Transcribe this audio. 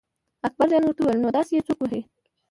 اکبرجان ورته وویل نو داسې یې څوک وهي.